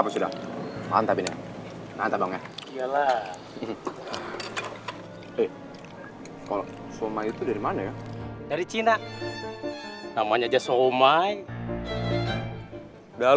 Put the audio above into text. cina makannya enak juga